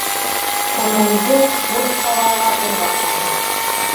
- Камалетдинов бер талайға уйға ҡалды.